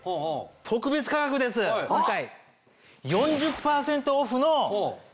特別価格です今回。